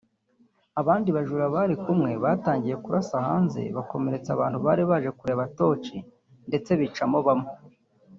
Abandi bajura bari kumwe batangiye kurasa hanze bakomeretsa abntu bari baje kureba Tosh ndetse bicamo bamwe